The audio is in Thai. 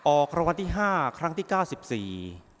ออกคำวัติห้าครั้งที่เก้าสิบสี่